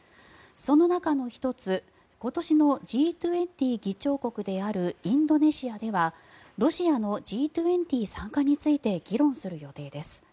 その中の１つ今年のＧ２０議長国であるインドネシアではロシアのＧ２０参加について議論する予定です。